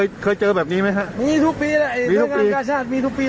เคยเคยเจอแบบนี้ไหมฮะมีทุกปีแหละมีทุกปี